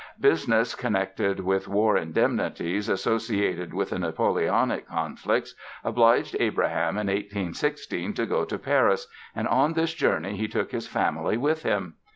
Business connected with war indemnities associated with the Napoleonic conflicts obliged Abraham in 1816 to go to Paris and on this journey he took his family with him.